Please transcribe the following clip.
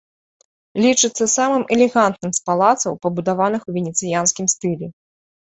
Лічыцца самым элегантным з палацаў, пабудаваных у венецыянскім стылі.